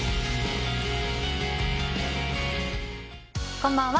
こんばんは。